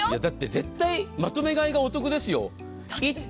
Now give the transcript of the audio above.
絶対にまとめ買いがお得ですよ。